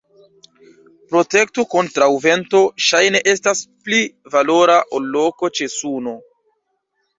Protekto kontraŭ vento ŝajne estas pli valora ol loko ĉe suno.